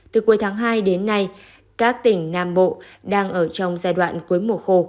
từ cuối tháng hai đến nay các tỉnh nam bộ đang ở trong giai đoạn cuối mùa khô